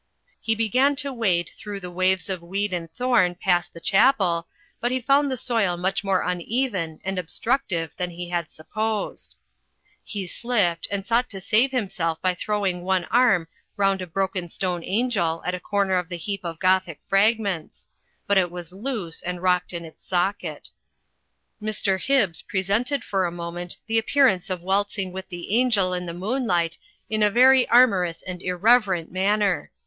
He began to wade through the waves of weed and thorn past the Chapel, but he found the soil much more uneven and obstructive than he had supposed. He slipped, and sought to save himself by throwing one arm round a broken stone angel at a comer of the heap of Gothic fragments ; but it was loose and rocked in its socket. Digitized by CjOOQ IC THE BATTLE OF THE TUNNEL 153 Mr. Hibbs presaited for a. moment the appearance of waltzing with the Angel in the moonlight, in a very amorous and irreverent manner.